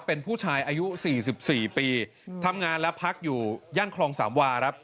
เป็นผู้ชายอายุสี่สิบสี่ปีทำงานแล้วพักอยู่ย่านคลองสามวารับ